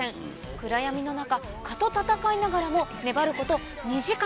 暗闇の中蚊と闘いながらも粘ること２時間。